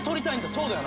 そうだよな？